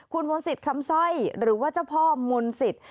คุณมนศิษย์ทำซ่อยหรือว่าเจ้าพ่อมนศิษย์